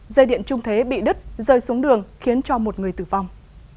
dây điện trung thế bị đứt rơi xuống đường khiến cho một người tử vong